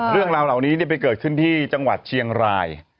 เรื่องราวเหล่านี้ไปเกิดขึ้นที่จังหวัดเชียงราย